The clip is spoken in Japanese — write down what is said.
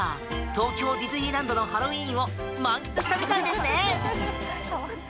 東京ディズニーランドのハロウィーンを満喫したみたいですね。